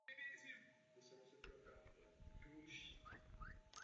Klíčový význam pro oblast má letecká doprava.